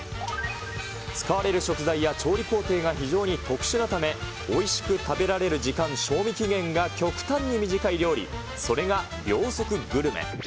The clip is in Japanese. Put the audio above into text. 使われる食材や調理工程が非常に特殊なため、おいしく食べられる時間、賞味期限が極端に短い料理、それが秒速グルメ。